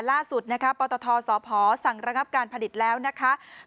ล่าสุดนะคะปตทสพสั่งระงับการผลิตแล้วนะคะ